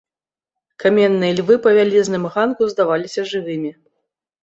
Каменныя львы па вялізным ганку здаваліся жывымі.